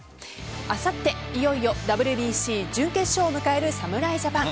あさって、いよいよＷＢＣ準決勝を迎える侍ジャパン。